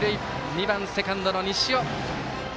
２番セカンドの西尾。